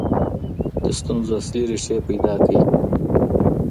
د ستونزو اصلي ریښې پیدا کړئ.